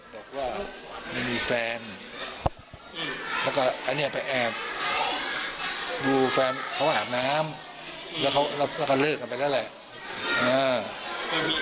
บอกว่าไม่มีแฟนแล้วก็อันนี้ไปแอบดูแฟนเขาอาบน้ำแล้วก็เลิกกันไปแล้วแหละ